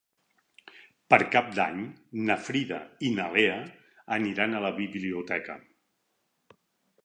Per Cap d'Any na Frida i na Lea aniran a la biblioteca.